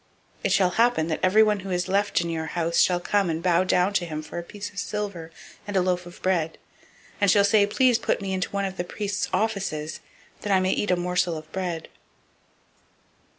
002:036 It shall happen, that everyone who is left in your house shall come and bow down to him for a piece of silver and a loaf of bread, and shall say, Please put me into one of the priests' offices, that I may eat a morsel of bread.